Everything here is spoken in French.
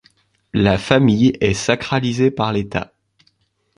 La famille est sacralisée par l’État.